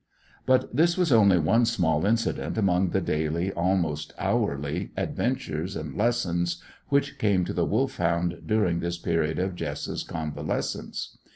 But this was only one small incident among the daily, almost hourly, adventures and lessons which came to the Wolfhound during this period of Jess's convalescence.